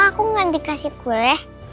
aku gak dikasih kue